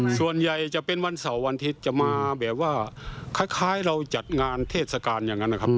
ส่วนใหญ่จะเป็นวันเสาร์วันอาทิตย์จะมาแบบว่าคล้ายเราจัดงานเทศกาลอย่างนั้นนะครับ